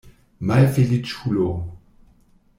Malfeliĉulo!